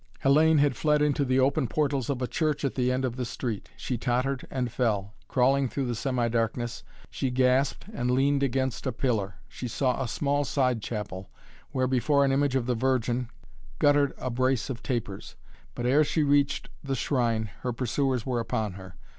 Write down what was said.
Hellayne had fled into the open portals of a church at the end of the street. She tottered and fell. Crawling through the semi darkness she gasped and leaned against a pillar. She saw a small side chapel, where, before an image of the Virgin, guttered a brace of tapers. But ere she reached the shrine her pursuers were upon her.